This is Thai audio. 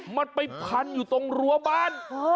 มันไปพันอยู่ตรงรั้วบ้าน